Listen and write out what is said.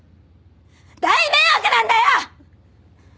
大迷惑なんだよ！！